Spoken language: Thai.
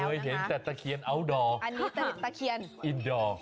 เคยเห็นแต่ตะเคียนอัลดอร์อันนี้แต่ตะเคียนอินดอร์